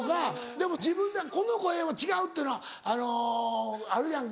でも自分でこの声は違うっていうのあるやんか。